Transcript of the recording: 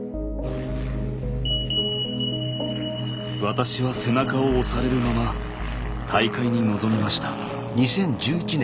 私は背中を押されるまま大会に臨みました。